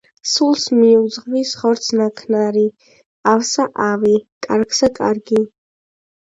სულს მიუძღვის ხორცთ ნაქნარი, ავსა- ავი, კარგსა- კარგი.